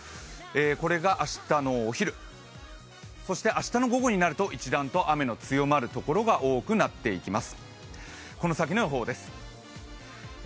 これが明日のお昼、そして明日の午後になると一段と雨の強まるところが多くなっていきます。